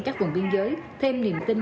các vùng biên giới thêm niềm tin